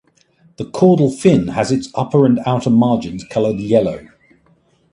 The caudal fin has its upper and outer margins coloured yellow.